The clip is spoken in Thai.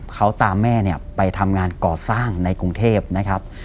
เขาตามแม่เนี่ยไปทำงานก่อสร้างในกรุงเทพนะครับ